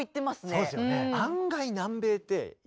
そうですよね。